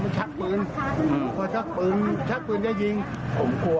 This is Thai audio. ที่นี่ผมมาถึงเป็นเขาวิ่งมาล่ะ